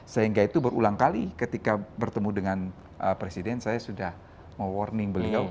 sehingga itu berulang kali ketika bertemu dengan presiden saya sudah me warning beliau